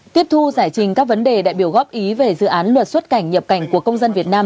tiếp thu giải trình các vấn đề đại biểu góp ý về dự án luật xuất cảnh nhập cảnh của công dân việt nam